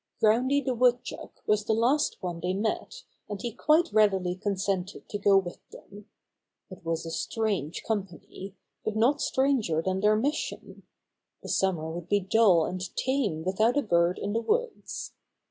Groundy the Woodchuck was the last one they met, and he quite readily consented to go with them. It was a strange company, but not stranger than their mission. The summer would be dull and tame without a bird in the woods.